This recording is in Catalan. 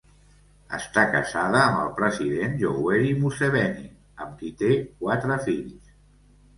Està casada amb el president Yoweri Museveni, amb qui té quatre fills.